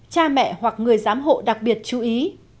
cha mẹ hoặc người giám hộ đặc biệt chú ý